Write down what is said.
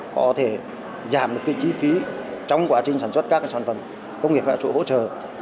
có thể giảm được chi phí trong quá trình sản xuất các sản phẩm công nghiệp hỗ trợ